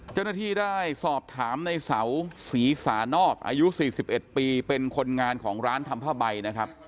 เจ้าหน้าที่ได้สอบถามในเสาศรีสานอกอายุ๔๑ปีเป็นคนงานของร้านทำผ้าใบนะครับ